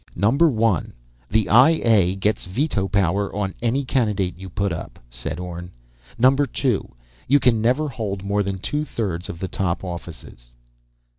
"Number one: the I A gets veto power on any candidate you put up," said Orne. "Number two: you can never hold more than two thirds of the top offices."